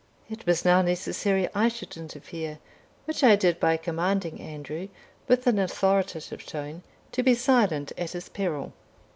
It was now necessary I should interfere, which I did by commanding Andrew, with an authoritative tone, to be silent at his peril.